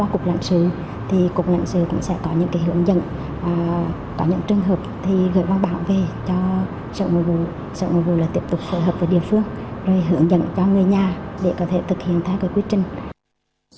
cộng sở cũng sẽ có những hướng dẫn có những trường hợp gửi báo về cho sở ngôi vụ sở ngôi vụ là tiếp tục phối hợp với địa phương rồi hướng dẫn cho người nhà để có thể thực hiện thay quyết trình